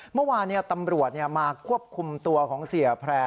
เมื่อวานตำรวจมาควบคุมตัวของเสียแพร่